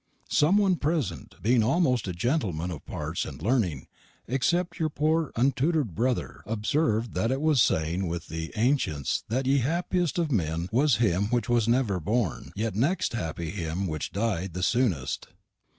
Some one present, being almost all gentelmenn of parts and learning, except y'r pore untuter'd brother, observed that it was a saying with the ainchents that ye happiest of men was him wich was never born; ye next happy him wich died the soonest.